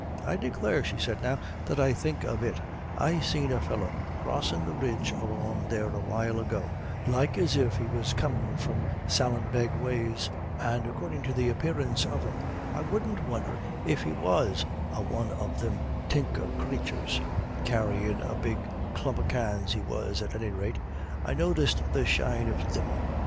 "I declare," she said, "now that I think of it, I seen a feller crossin' the ridge along there a while ago, like as if he was comin' from Sallinbeg ways; and according to the apparence of him, I wouldn't won'er if he was a one of thim tinker crathures carryin' a big clump of cans he was, at any rate I noticed the shine of thim.